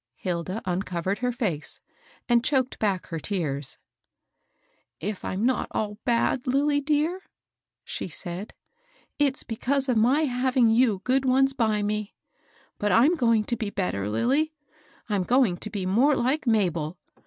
Hilda uncovered her &ce, and choked back her tears. « If I'm not all bad, Lilly dear," she said, « it's because of my having you good ones by me. But I'm going to be better, Lilly, — I'm going to be more like Mabel.